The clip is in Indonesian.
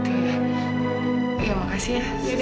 terima kasih ya